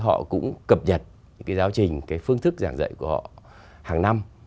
họ cũng cập nhật những cái giáo trình cái phương thức giảng dạy của họ hàng năm